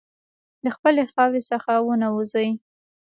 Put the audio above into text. له خپلې خاورې څخه ونه وځې.